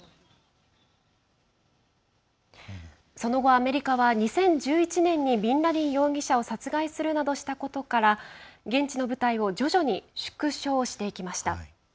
その後、アメリカは２０１１年にビンラディン容疑者を殺害するなどしたことから現地の部隊を徐々に縮小していきました。